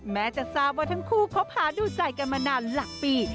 แม้จะทราบว่าทั้งคู่คบหาดูใจกันมานานหลักปี